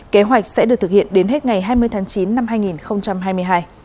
kế hoạch sẽ được thực hiện đến hết ngày hai mươi tháng chín năm hai nghìn hai mươi hai